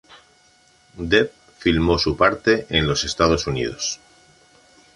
Dev filmó su parte en los Estados Unidos.